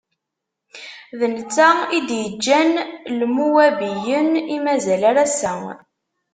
D netta i d-iǧǧan Imuwabiyen, i mazal ar ass-a.